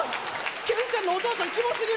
けんちゃんのお父さんきもすぎる。